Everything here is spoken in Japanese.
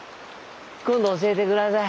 今度教えて下さい。